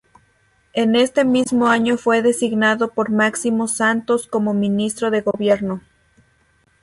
En este mismo año fue designado por Máximo Santos como Ministro de Gobierno.